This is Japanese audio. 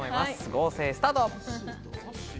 合成スタート！